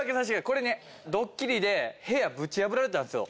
これねドッキリで部屋ブチ破られたんすよ。